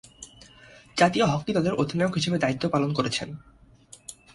জাতীয় হকি দলের অধিনায়ক হিসেবে দায়িত্ব পালন করেছেন।